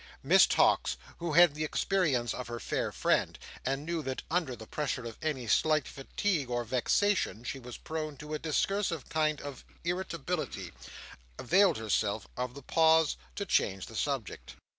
Miss Tox, who had experience of her fair friend, and knew that under the pressure of any slight fatigue or vexation she was prone to a discursive kind of irritability, availed herself of the pause, to change the subject.